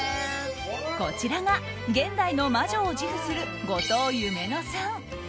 こちらが現代の魔女を自負する後藤夢乃さん。